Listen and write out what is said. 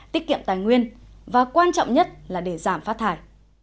tiết kiệm tài nguyên và quan trọng nhất là để giảm phát thải